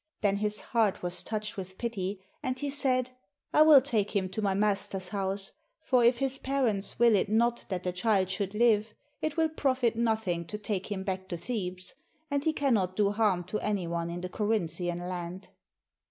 Then his heart was touched with pity, and he said, "I will take him to my master's house; for if his parents will it not that the child should live, it will profit nothing to take him back to Thebes, and he cannot do harm to any one in the Corinthian land."